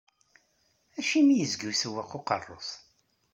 Acimi yezga isewweq uqerru-s?